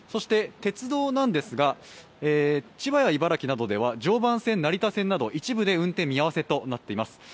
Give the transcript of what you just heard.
鉄道なんですが、千葉や茨城などでは常磐線、成田線などでは一部で運転見合わせとなっています。